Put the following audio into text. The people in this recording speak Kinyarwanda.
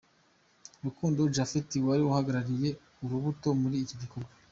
Rukundo Japhet wari uhagarariye Urubuto muri iki gikorwa.